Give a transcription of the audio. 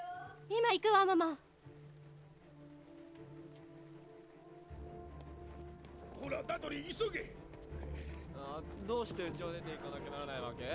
今行くわママほらダドリー急げどうしてうちを出ていかなきゃならないわけ？